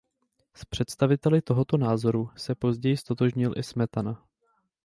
S představiteli tohoto názoru se později ztotožnil i Smetana.